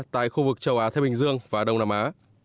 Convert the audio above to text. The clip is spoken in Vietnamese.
tại khu vực châu á thái bình dương và đông nam á